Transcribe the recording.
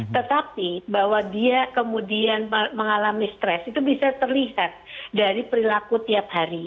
tetapi bahwa dia kemudian mengalami stres itu bisa terlihat dari perilaku tiap hari